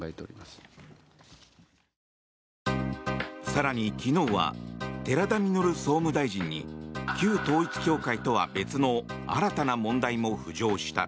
更に昨日は寺田稔総務大臣に旧統一教会とは別の新たな問題も浮上した。